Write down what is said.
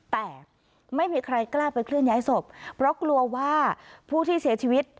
แต่ไม่มีใครกล้าไปเคลื่อนย้ายศพเพราะกลัวว่าผู้ที่เสียชีวิต